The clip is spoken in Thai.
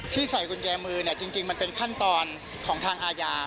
ใส่กุญแจมือเนี่ยจริงมันเป็นขั้นตอนของทางอาญา